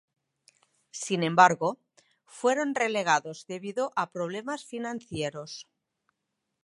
Sin embargo, fueron relegados debido a problemas financieros.